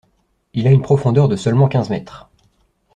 Il a une profondeur de seulement quinze mètres.